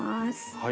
はい。